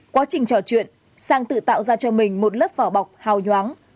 quá trình trò chuyện sang tự tạo ra cho mình một lớp vỏ bọc hào nhoáng